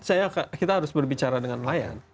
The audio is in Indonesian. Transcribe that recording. saya kita harus berbicara dengan nelayan